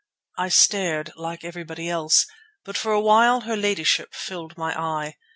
I stared, like everybody else, but for a while her ladyship filled my eye.